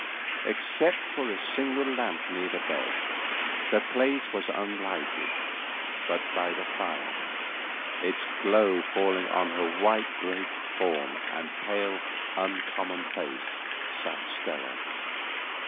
Except for a single lamp near the bed, the place was unlighted, but by the fire, its glow falling on her white draped form and pale, uncommon face, sat Stella.